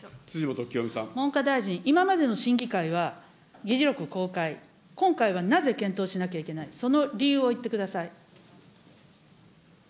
文科大臣、今までの審議会は議事録公開、今回はなぜ検討しなきゃいけない、その理由を言ってください。